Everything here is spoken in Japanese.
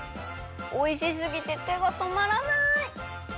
おいしすぎててがとまらない！